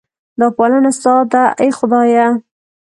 دا پالنه ستا ده ای خدایه.